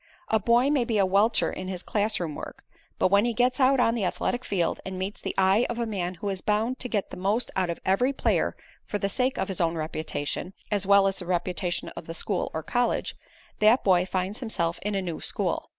A boy may be a welcher in his classroom work, but when he gets out on the athletic field and meets the eye of a man who is bound to get the most out of every player for the sake of his own reputation, as well as the reputation of the school or college, that boy finds himself in a new school.